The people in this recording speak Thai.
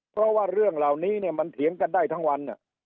เพราะว่าเรื่องเหล่านี้เนี่ยมันเถียงกันได้ทั้งวัน